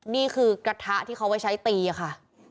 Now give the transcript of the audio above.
นี่คือกระทะที่เขาไว้ใช้ตีค่ะ